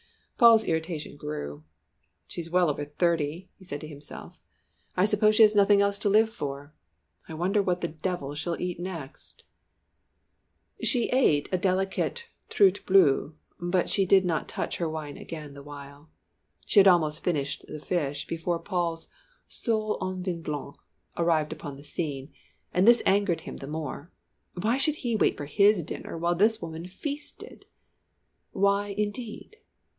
Paul's irritation grew. "She's well over thirty," he said to himself. "I suppose she has nothing else to live for! I wonder what the devil she'll eat next!" She ate a delicate truite bleu, but she did not touch her wine again the while. She had almost finished the fish before Paul's sole au vin blanc arrived upon the scene, and this angered him the more. Why should he wait for his dinner while this woman feasted? Why, indeed.